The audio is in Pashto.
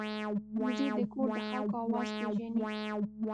وزې د کور د خلکو آواز پېژني